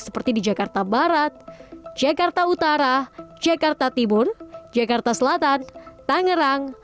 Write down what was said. seperti di jakarta barat jakarta utara jakarta tibur jakarta selatan tangerang